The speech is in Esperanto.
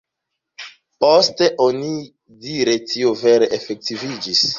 Poste onidire tio vere efektiviĝis.